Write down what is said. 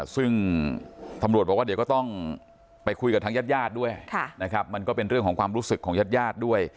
ซึ่งตำรวจบอกว่าเดี๋ยวก็ต้องไปคุยกับทางญาติญาติด้วยนะครับมันก็เป็นเรื่องของความรู้สึกของญาติญาติด้วย